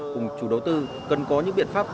cùng chủ đầu tư cần có những biện pháp